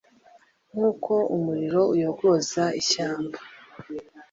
Nk’uko umuriro uyogoza ishyamba